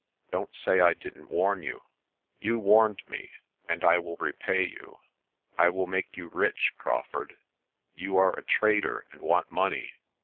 Don't say I didn't warn you." "You warned me, and I will repay you. I will make you rich, Crawfurd. You are a trader and want money.